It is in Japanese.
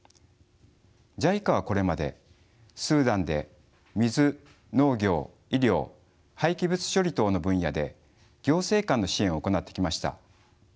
ＪＩＣＡはこれまでスーダンで水農業医療廃棄物処理等の分野で行政官の支援を行ってきました。